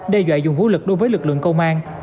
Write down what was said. đe dọa dùng vũ lực đối với lực lượng công an